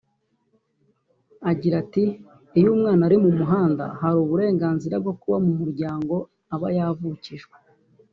Agira ati “Iyo umwana ari mu muhanda hari uburenganzira bwo kuba mu muryango aba yavukijwe